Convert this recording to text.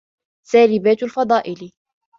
سَالِبَاتُ الْفَضَائِلِ